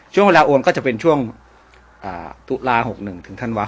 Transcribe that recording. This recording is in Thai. ช่วงเวลาอวนก็จะเป็นช่วงตุ๊กลา๖๑ถึงธันวา๖๑